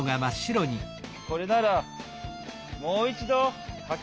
これならもういちどかけるぞ！